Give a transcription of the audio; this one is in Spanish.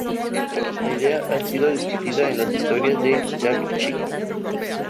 La idea ha sido discutida en las historietas de Jack Chick.